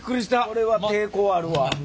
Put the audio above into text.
これは抵抗あるわ。